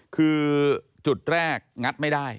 คือจุดแรกงัดไม่ได้